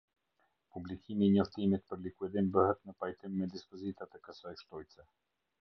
Publikimi i Njoftimit për likuidim bëhet në pajtim me Dispozitat e kësaj Shtojce.